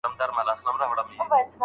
څوک باید د لارښود استاد په توګه وټاکل سي؟